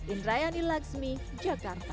indrayani laksmi jakarta